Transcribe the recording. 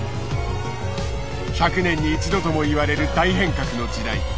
１００年に一度ともいわれる大変革の時代。